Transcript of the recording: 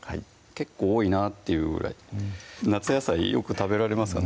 結構多いなっていうぐらい夏野菜よく食べられますか？